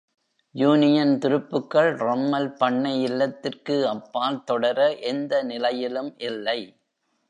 Union துருப்புக்கள் Rummel பண்ணை இல்லத்திற்கு அப்பால் தொடர எந்த நிலையிலும் இல்லை.